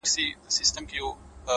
پوه انسان تل د حقیقت پلټونکی وي!